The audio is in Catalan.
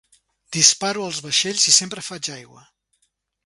Disparo als vaixells i sempre faig aigua.